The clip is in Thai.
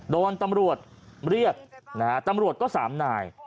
โดนตำรวจเรียกตำรวจก็สามนาย